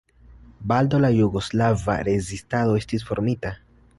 Baldaŭ la jugoslava rezistado estis formita.